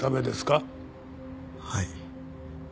はい。